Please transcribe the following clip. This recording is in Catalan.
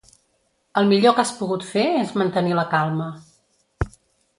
El millor que has pogut fer és mantenir la calma.